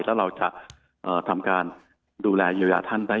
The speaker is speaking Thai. แล้วเราจะทำการดูแลอยู่อย่างท่านได้อย่างไร